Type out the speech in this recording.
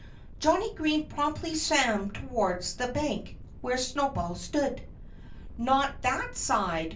Johnnie Green promptly swam towards the bank where Snowball stood. "Not that side!"